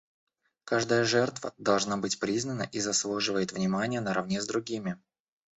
Каждая жертва должна быть признана и заслуживает внимания наравне с другими.